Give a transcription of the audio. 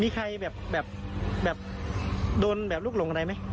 มีใครแบบโดนแบบลูกหลงอะไรไหม